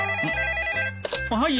☎はい。